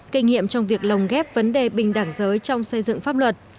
kinh nghiệm trong việc lồng ghép vấn đề bình đẳng giới trong xây dựng pháp luật